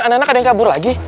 anak anak ada yang kabur lagi